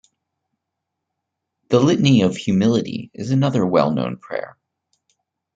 The Litany of humility is another well-known prayer.